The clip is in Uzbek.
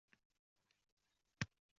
solih amallarni ortga suradi.